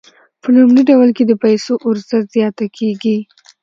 په لومړي ډول کې د پیسو عرضه زیاته کیږي.